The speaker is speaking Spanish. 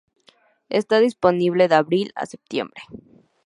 Está disponible de abril a septiembre.